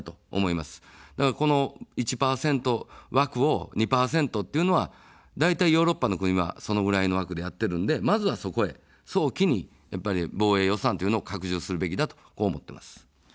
だからこの１％枠を２％というのは、だいたいヨーロッパの国はそのぐらいの枠でやっているので、まずはそこへ早期に防衛予算というのを拡充するべきだと思っています。